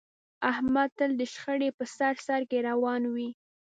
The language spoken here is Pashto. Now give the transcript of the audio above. احمد تل د شخړې په سر سرکې روان وي.